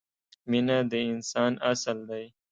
مینه د انسان اصل دی.